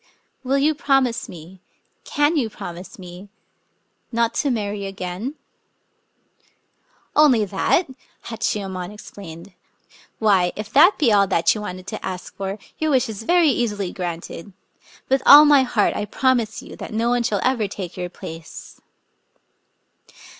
Will you promise me — can you promise me — not to marry again ?..."" Only that !" Hachiyemon exclaimed. " Why, if that be all that you wanted to ask for, your wish is very easily granted. With all my heart I promise you that no one shall ever take your place."